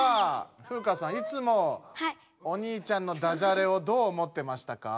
フウカさんいつもお兄ちゃんのダジャレをどう思ってましたか？